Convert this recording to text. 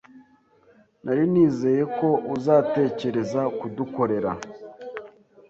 Nari nizeye ko uzatekereza kudukorera.